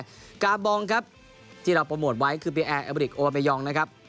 ครั้งแรกกาบองครับที่เราโปรโมทไว้คือแอร์แอลบอลิกโอบาเมยองนะครับ